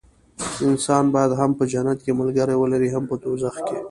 انسان باید هم په جنت کې ملګري ولري هم په دوزخ کې.